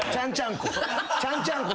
ちゃんちゃんこ。